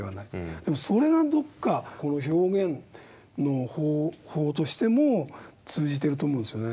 でもそれがどっかこの表現の方法としても通じてると思うんですよね。